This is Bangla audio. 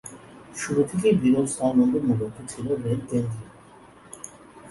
শুরু থেকেই বিরল স্থলবন্দর মূলত ছিল রেল কেন্দ্রিক।